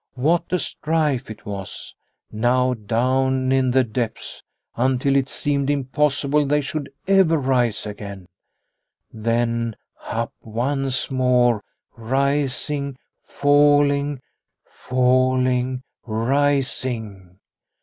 What a strife it was, now down in the depths, until it seemed impossible they should ever rise again ; then up once more, rising, falling, falling, rising